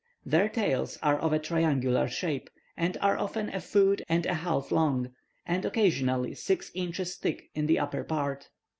Their tails are of a triangular shape, and are often a foot and a half long, and occasionally six inches thick in the upper part.